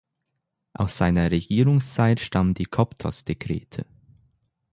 Aus seiner Regierungszeit stammen die „Koptos-Dekrete“.